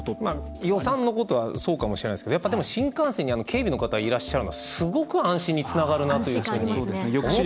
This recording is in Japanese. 予算のことはそうかもしれませんけど新幹線に警備の方がいらっしゃるのはすごく安心につながるなと思ったので、